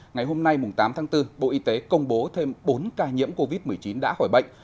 ngày hôm nay tám tháng bốn bộ y tế công bố thêm bốn ca nhiễm covid một mươi chín đã khỏi bệnh